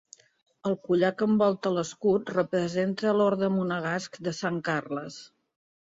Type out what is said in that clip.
El collar que envolta l'escut representa l'orde monegasc de Sant Carles.